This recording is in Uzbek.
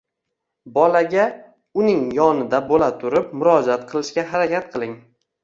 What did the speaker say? Bolaga uning yonida bo‘la turib murojaat qilishga harakat qiling.